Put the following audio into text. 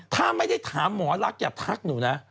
ถ้าไม่ได้ถามหมอรักอย่าทักหนูนะ